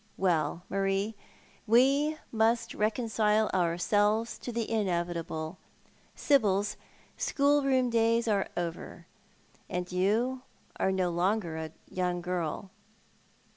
Well, Marie, we must reconcile ourselves to the inevitable. Sibyl's schoolroom days are over, and you are no longer a young girl.